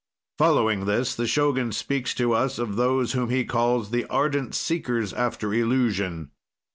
Following this, the Shogun speaks to us of those whom he calls the ardent seekers after illusion.